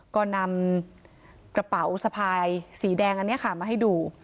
ก็นำกระเป๋าสะพายสีแดงอันนี้ค่ะมาให้ดู